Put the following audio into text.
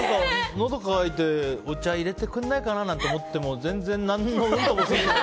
のど渇いてお茶入れてくれないかななんて思っても全然、うんともすんとも。